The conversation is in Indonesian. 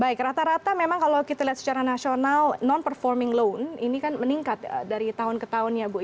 baik rata rata memang kalau kita lihat secara nasional non performing loan ini kan meningkat dari tahun ke tahun ya bu